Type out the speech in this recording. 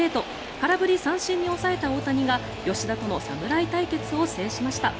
空振り三振に抑えた大谷が吉田との侍対決を制しました。